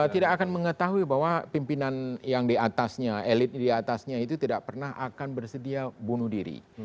tidak akan mengetahui bahwa pimpinan yang diatasnya elit di atasnya itu tidak pernah akan bersedia bunuh diri